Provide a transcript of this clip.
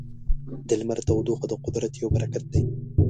د لمر تودوخه د قدرت یو برکت دی.